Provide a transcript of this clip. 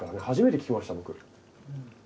初めて聞きました僕。